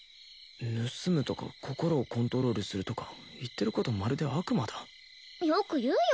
盗むとか心をコントロールするとか言ってることまるで悪魔だよく言うよ